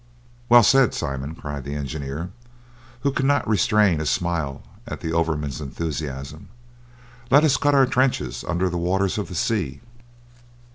"Well said, Simon," cried the engineer, who could not restrain a smile at the overman's enthusiasm; "let us cut our trenches under the waters of the sea!